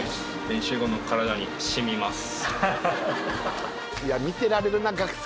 練習後の体にしみます